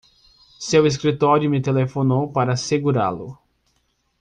Seu escritório me telefonou para segurá-lo.